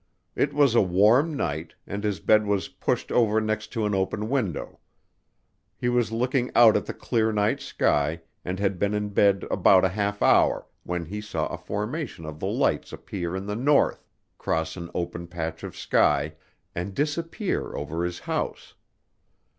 It was a warm night and his bed was pushed over next to an open window. He was looking out at the clear night sky, and had been in bed about a half hour, when he saw a formation of the lights appear in the north, cross an open patch of sky, and disappear over his house.